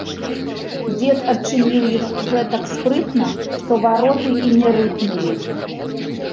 Дзед адчыніў іх гэтак спрытна, што вароты і не рыпнулі.